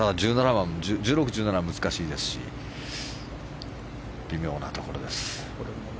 ただ、１６、１７は難しいですし微妙なところです。